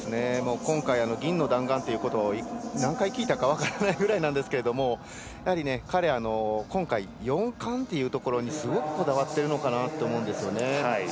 今回銀色の弾丸ということばを何回聞いたか分からないぐらいなんですけど彼、今回、４冠というところにすごくこだわっているのかなって思うんですよね。